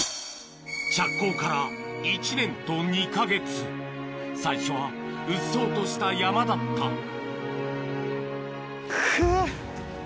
着工から１年と２か月最初はうっそうとした山だったくぅ！